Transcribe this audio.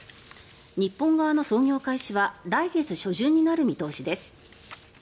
日本側の操業開始は来月初旬になる見通しです。